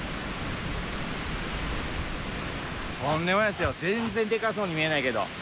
とんでもないですよ全然でかそうに見えないけど。